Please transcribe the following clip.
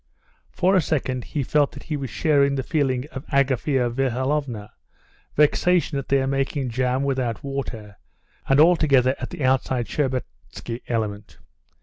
For a second he felt that he was sharing the feeling of Agafea Mihalovna, vexation at their making jam without water, and altogether at the outside Shtcherbatsky element.